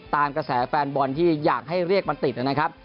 ตามกระแสแฟนบอลที่อยากให้เรียกมันติดนะครับ